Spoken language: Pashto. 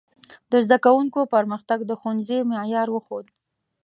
د زده کوونکو پرمختګ د ښوونځي معیار وښود.